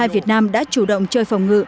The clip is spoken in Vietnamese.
việt nam đã chủ động chơi phòng ngự